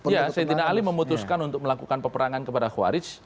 ya saidina ali memutuskan untuk melakukan peperangan kepada khuaric